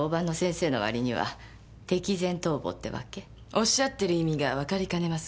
おっしゃってる意味が分かりかねますが。